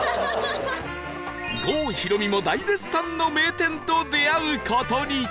郷ひろみも大絶賛の名店と出会う事に